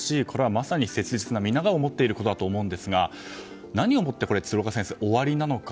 まさに切実な、みんなが思っていることだと思いますが何をもって鶴岡先生、終わりなのか。